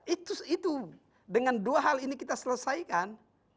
itu dengan dua hal ini kita selesaikan